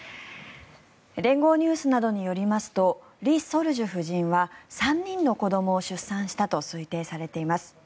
連合ニュースなどによりますと李雪主夫人は３人の子どもを出産したと推定されています。